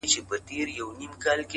هره پرېکړه نوی مسیر جوړوي!